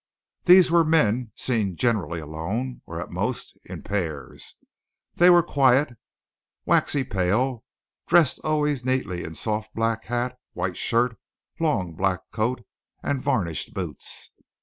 These were men seen generally alone, or at most in pairs. They were quiet, waxy pale, dressed always neatly in soft black hat, white shirt, long black coat, and varnished boots.